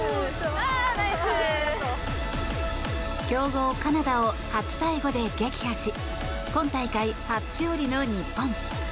強豪カナダを８対５で撃破し今大会初勝利の日本。